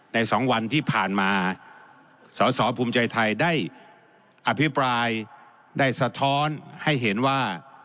สองวันที่ผ่านมาสอสอภูมิใจไทยได้อภิปรายได้สะท้อนให้เห็นว่า